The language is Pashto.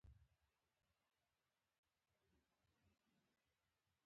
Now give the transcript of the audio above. یو سړي له خپل زوی سره جنجال وکړ.